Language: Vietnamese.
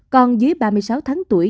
con dưới ba mươi sáu tháng tuổi